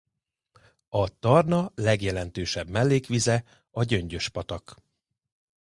A Tarna legjelentősebb mellékvize a Gyöngyös-patak.